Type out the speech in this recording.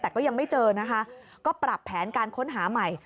แต่ก็ยังไม่เจอนะคะก็ปรับแผนการค้นหาใหม่